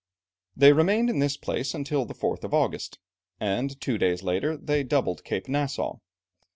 They remained in this place until the 4th of August, and two days later they doubled Cape Nassau.